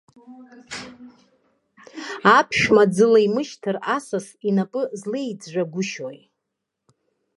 Аԥшәма аӡы леимышьҭыр, асас инапы злеиӡәӡәагәышьои!